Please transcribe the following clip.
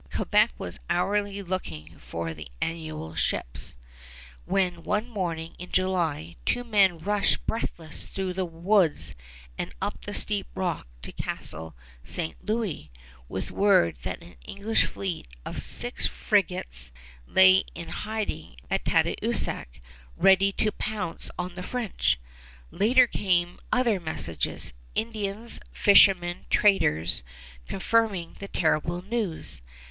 Quebec was hourly looking for the annual ships, when one morning in July two men rushed breathless through the woods and up the steep rock to Castle St. Louis with word that an English fleet of six frigates lay in hiding at Tadoussac, ready to pounce on the French! Later came other messengers Indians, fishermen, traders confirming the terrible news.